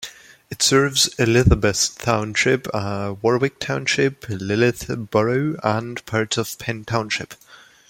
It serves Elizabeth Township, Warwick Township, Lititz Borough, and parts of Penn Township.